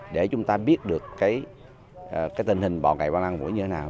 để chúng ta biết được tình hình bọ gậy lăng quang và mũi như thế nào